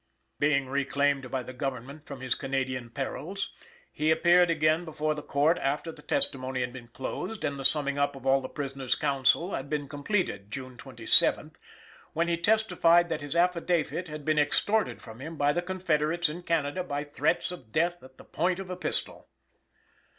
Being reclaimed by the government from his Canadian perils, he appeared again before the Court after the testimony had been closed and the summing up of all the prisoners' counsel had been completed (June 27th); when he testified that his affidavit had been extorted from him by the Confederates in Canada by threats of death at the point of a pistol.